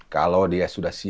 kalau dia sudah siap